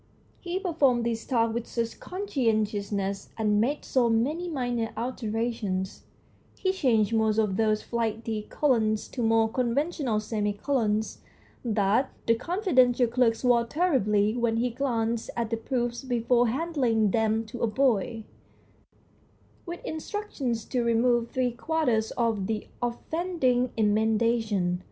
He performed this task with such conscientiousness, and made so many minor alterations he changed most of those flighty colons to more conventional semicolons that the confidential clerk swore terribly when he glanced at the proofs before handing them to a boy, with instructions to remove three quarters of the offending emendations.